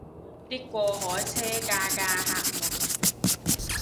啲過海車架架客滿